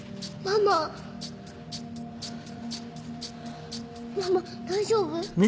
ママ大丈夫？